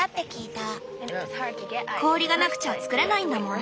氷がなくちゃ作れないんだもん。